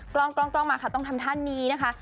กล้องมาค่ะต้องทำท่านนี้นะคะ